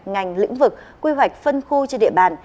ngành lĩnh vực quy hoạch phân khu trên địa bàn